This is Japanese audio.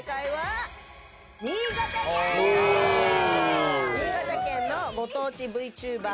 新潟県のご当地ＶＴｕｂｅｒ